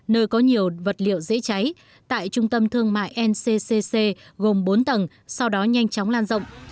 nơi có nhiều vật liệu dễ cháy tại trung tâm thương mại ncccc gồm bốn tầng sau đó nhanh chóng lan rộng